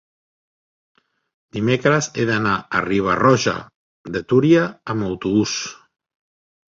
Dimecres he d'anar a Riba-roja de Túria amb autobús.